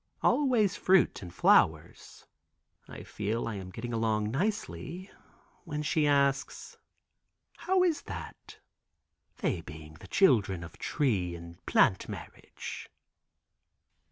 "Always fruit and flowers." I feel I am getting along nicely. When she asks: "How is that? they being the children of tree and plant marriage."